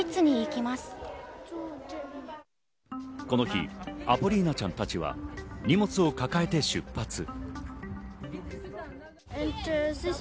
この日、アポリーナちゃんたちは荷物を抱えて出発。